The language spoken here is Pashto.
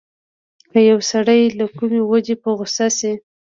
که يو سړی له کومې وجې په غوسه شي.